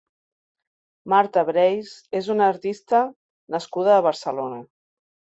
Marta Breis és una artista nascuda a Barcelona.